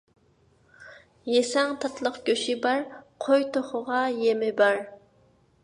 يېسەڭ تاتلىق «گۆشى»بار، قوي، توخۇغا «يېمى» بار.